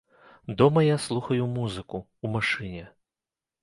Дома я слухаю музыку, у машыне.